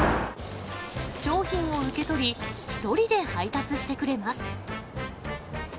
商品を受け取り、１人で配達してくれます。